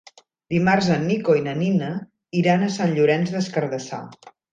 Dimarts en Nico i na Nina iran a Sant Llorenç des Cardassar.